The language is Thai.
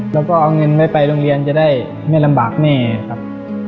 แล้วก็เอาเงินไว้ไปโรงเรียนจะได้ไม่ลำบากแน่ครับ